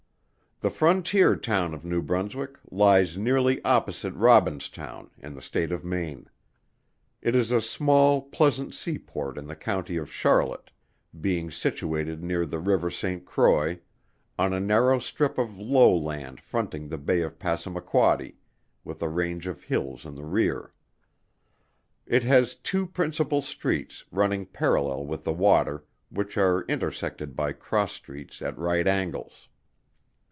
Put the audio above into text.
The frontier town of New Brunswick, lies nearly opposite Robinstown, in the State of Maine. It is a small pleasant sea port in the County of Charlotte: being situated near the river Saint Croix, on a narrow strip of low land fronting the Bay of Passamaquoddy, with a range of hills in the rear. It has two principal streets, running parallel with the water, which are intersected by cross streets at right angles.